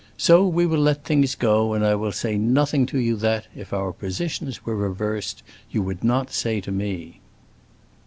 So we will let things go, and I will say nothing to you that, if our positions were reversed, you would not say to me."